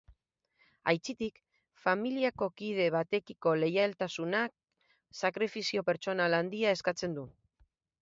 Aitzitik, familiako kide batekiko leialtasunak sakrifizio pertsonal handia eskatzen du.